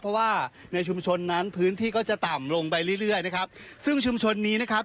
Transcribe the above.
เพราะว่าในชุมชนนั้นพื้นที่ก็จะต่ำลงไปเรื่อยเรื่อยนะครับซึ่งชุมชนนี้นะครับ